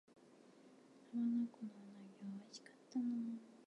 浜名湖の鰻は美味しかったな